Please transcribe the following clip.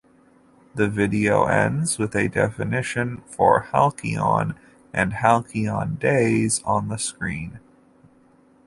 The video ends with a definition for Halcyon and Halcyon Days on the screen.